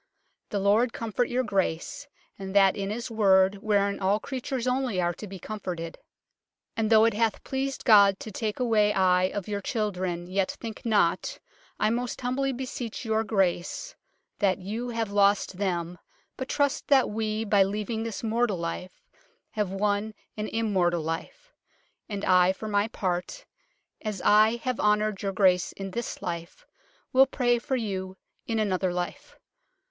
" The Lord comforte your Grace, and that in his worde, whearin all creatures onlye are to be comforted. And thoughe it hathe pleased God to take away ij of your children, yet thincke not, I most humblye beseach your Grace, that you have loste them, but truste that we, by leavinge this mortall life, have wunne an im mortal life. And I for my parte, as I have honoured your grace in this life, wyll praye for you in another life.